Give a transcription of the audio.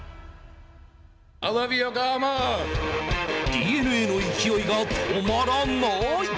ＤｅＮＡの勢いが止まらない。